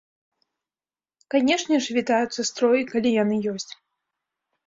Канешне ж, вітаюцца строі, калі яны ёсць.